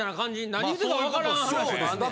何言うてるか分からん話もあんねや。